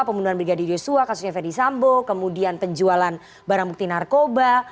pembunuhan brigadir yosua kasusnya ferdisambo kemudian penjualan barang bukti narkoba